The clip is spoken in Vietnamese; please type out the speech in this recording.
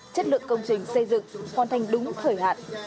chất lượng công trình xây dựng hoàn thành đúng thời hạn